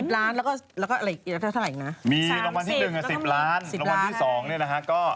รางวัลที่สองเนี่ยนะฮะก็